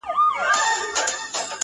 په څو ځلي مي ستا د مخ غبار مات کړی دی’